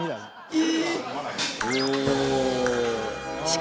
え？